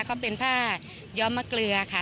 ก็เป็นผ้าย้อมมะเกลือค่ะ